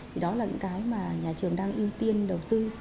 thì đó là những cái mà nhà trường đang ưu tiên đầu tư